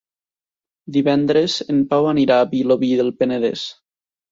Divendres en Pau anirà a Vilobí del Penedès.